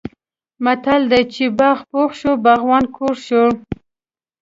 متل دی: چې باغ پوخ شو باغوان کوږ شو.